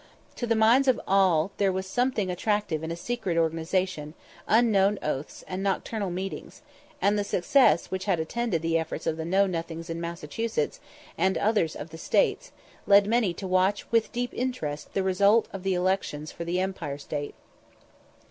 To the minds of all there was something attractive in a secret organisation, unknown oaths, and nocturnal meetings; and the success which had attended the efforts of the Know nothings in Massachusetts, and others of the States, led many to watch with deep interest the result of the elections for the Empire State.